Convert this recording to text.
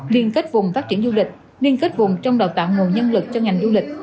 liên kết vùng phát triển du lịch liên kết vùng trong đào tạo nguồn nhân lực cho ngành du lịch